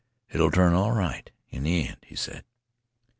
"It'll turn out all right in th' end," he said.